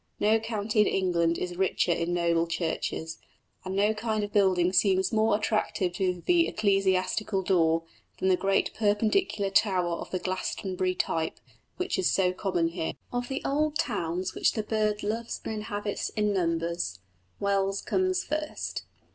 No county in England is richer in noble churches, and no kind of building seems more attractive to the "ecclesiastical daw" than the great Perpendicular tower of the Glastonbury type, which is so common here. Of the old towns which the bird loves and inhabits in numbers, Wells comes first.